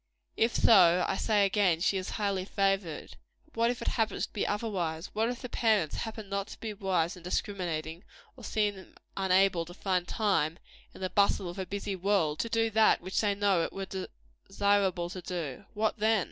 If so, I say again, she is highly favored. But what if it happen to be otherwise? What if the parents happen not to be wise and discriminating, or seem unable to find time, in the bustle of a busy world, to do that which they know it were desirable to do? What then?